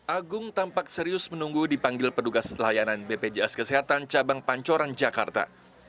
agung tampak serius menunggu dipanggil petugas layanan bpjs kesehatan cabang pancoran jakarta